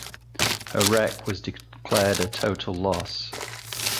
Her wreck was declared a total loss.